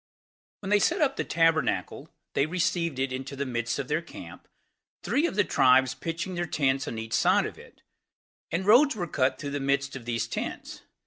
5. When they set up the tabernacle, they received it into the midst of their camp, three of the tribes pitching their tents on each side of it; and roads were cut through the midst of these tents.